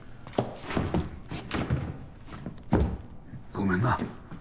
ごめんな。